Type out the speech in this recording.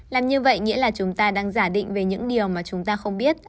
làm như vậy nghĩa là chúng ta đang giả định về những điều mà chúng ta không biết